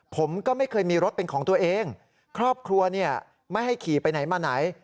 ผมก็ไม่เคยมีรถเป็นของตัวเองครอบครัวเนี่ยไม่ให้ขี่ไปไหนมาไหน